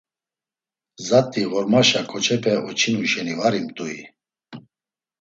Zat̆i ğormaşa ǩoçepe oçinu şeni var imt̆ui?